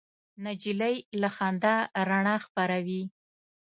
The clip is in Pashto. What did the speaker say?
نجلۍ له خندا رڼا خپروي.